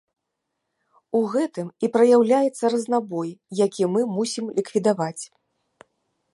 У гэтым і праяўляецца разнабой, які мы мусім ліквідаваць.